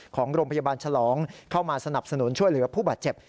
ของโรงพยาบาลฉลองเข้ามาสนับสนุนช่วยเหลือผู้บาดเจ็บ